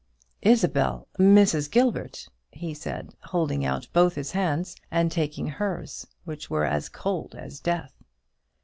"Isabel Mrs. Gilbert!" he said, holding out both his hands, and taking hers, which were as cold as death.